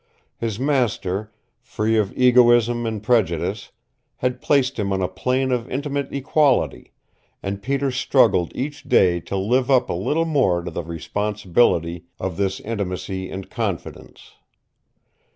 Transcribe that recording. His master, free of egoism and prejudice, had placed him on a plane of intimate equality, and Peter struggled each day to live up a little more to the responsibility of this intimacy and confidence.